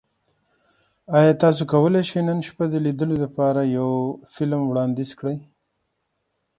ایا تاسو کولی شئ نن شپه د لیدو لپاره یو فلم وړاندیز کړئ؟